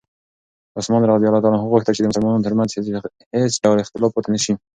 عثمان رض غوښتل چې د مسلمانانو ترمنځ هېڅ ډول اختلاف پاتې نه شي.